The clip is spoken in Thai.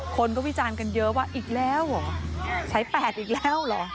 คนก็วิจารณ์กันเยอะว่าอีกแล้วเหรอสาย๘อีกแล้วเหรอ